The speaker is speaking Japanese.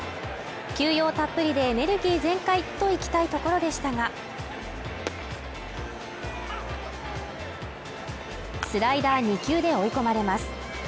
休養たっぷりでエネルギー全開といきたいところでしたがスライダー２球で追い込まれます